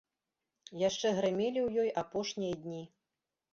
Яшчэ грымелі ў ёй апошнія дні.